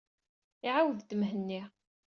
Iɛawed-d Mhenni.